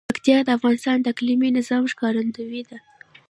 پکتیا د افغانستان د اقلیمي نظام ښکارندوی ده.